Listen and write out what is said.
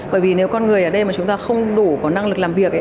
bởi vì nếu con người ở đây mà chúng ta không đủ có năng lực làm việc ấy